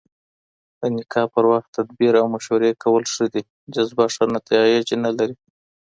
د نکاح پر وخت تدبير او مشورې کول ښه دي، جذبه ښه نتايج نلري